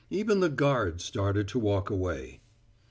Even the guard started to walk away.